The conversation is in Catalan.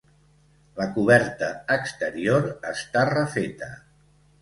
La coberta exterior està refeta.